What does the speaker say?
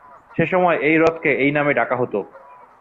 সেসময় এই হ্রদকে এই নামে ডাকা হতো।